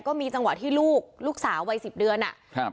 ก็มีจังหวะที่ลูกลูกสาววัยสิบเดือนอ่ะครับ